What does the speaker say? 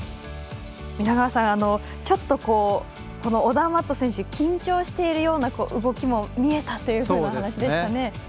皆川さん、ちょっとオダーマット選手は緊張しているような動きも見えたという話でした。